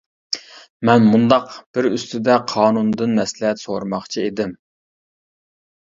مەن مۇنداق بىر ئۈستىدە قانۇنىدىن مەسلىھەت سورىماقچى ئىدىم.